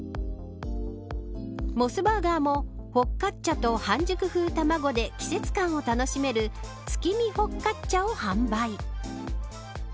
モスバーガーもフォカッチャと半熟風たまごで季節感を楽しめる月見フォカッチャを販売。